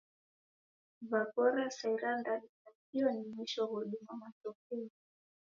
Waghora saa irandadu ra kio ni mwisho ghoduma matokeo